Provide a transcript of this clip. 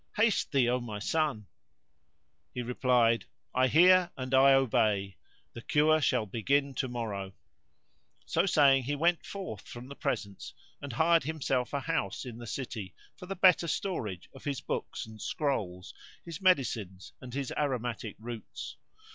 Haste thee, O my son!" He replied,"I hear and I obey; the cure shall begin tomorrow." So saying he went forth from the presence, and hired himself a house in the city for the better storage of his books and scrolls, his medicines and his aromatic roots.